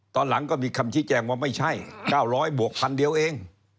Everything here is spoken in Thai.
ตอนหลังก็มีคำชี้แจงว่าไม่ใช่๙๐๐บวก๑๐๐เดียวเอง